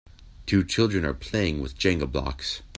Two children are playing with Jenga blocks.